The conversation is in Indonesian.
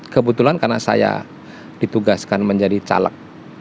kebetulan karena saya ditugaskan menjadi caleg